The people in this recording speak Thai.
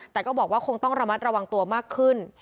แต่ก็บอกว่าคงต้องระมัดระวังตัวมากขึ้น